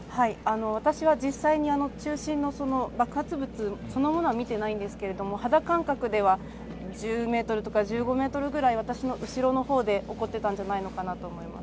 私は実際に中心の爆発物、そのものは見ていないんですけれども、肌感覚では、１０ｍとか１５ｍぐらい私の後ろの方で起こっていたんじゃないかと思います。